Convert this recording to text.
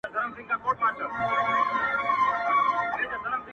زما په مینه زوی له پلار څخه بیلیږي!!